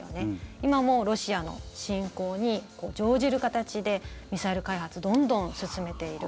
今もロシアの侵攻に乗じる形でミサイル開発どんどん進めている。